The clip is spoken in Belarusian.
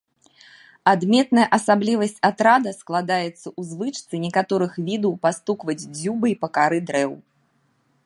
Адметная асаблівасць атрада складаецца ў звычцы некаторых відаў пастукваць дзюбай па кары дрэў.